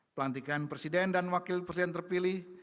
pelantikan presiden dan wakil presiden terpilih